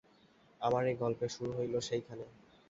আমার এই গল্পের শুরু হইল সেইখানে।